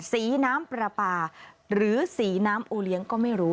สีน้ำปลาปลาหรือสีน้ำโอเลี้ยงก็ไม่รู้